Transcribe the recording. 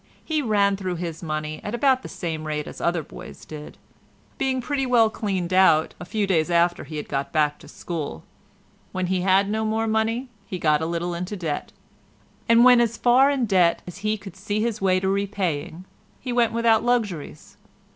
He ran through his money at about the same rate as other boys did, being pretty well cleaned out a few days after he had got back to school. When he had no more money, he got a little into debt, and when as far in debt as he could see his way to repaying, he went without luxuries.